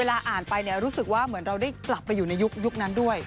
อ่านไปรู้สึกว่าเหมือนเราได้กลับไปอยู่ในยุคนั้นด้วย